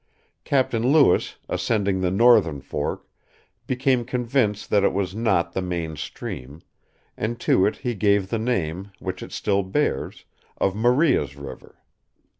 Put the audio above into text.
Captain Lewis, ascending the northern fork, became convinced that it was not the main stream; and to it he gave the name, which it still bears, of Maria's River.